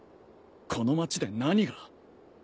この街で何が。